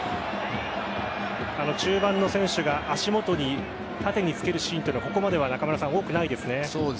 中盤の選手が足元に、縦につけるシーンはここまでは多くないですよね。